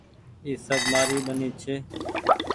اي سب مآري ٻيني ڇي ۔